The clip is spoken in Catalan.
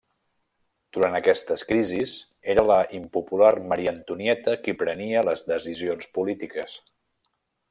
Durant aquestes crisis, era la impopular Maria Antonieta qui prenia les decisions polítiques.